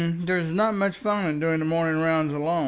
There's not much fun in going the morning rounds alone.